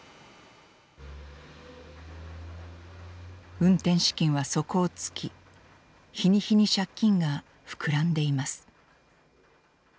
運転資金は底を尽き日に日に借金が膨らんでいます。